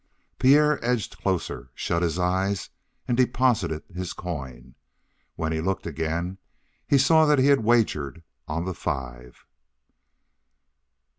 Pierre edged closer, shut his eyes, and deposited his coin. When he looked again he saw that he had wagered on the five.